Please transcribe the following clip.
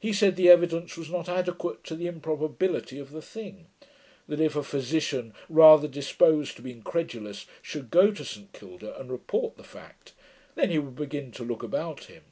He said, the evidence was not adequate to the improbability of the thing; that if a physician, rather disposed to be incredulous, should go to St Kilda, and report the fact, then he would begin to look about him.